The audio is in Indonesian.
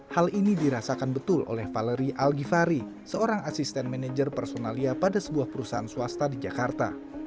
hal ini dirasakan betul oleh valeri algifari seorang asisten manajer personalia pada sebuah perusahaan swasta di jakarta